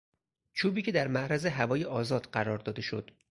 چوبی که در معرض هوای آزاد قرار داده شد